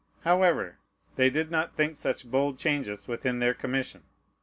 However, they did not think such bold changes within their commission.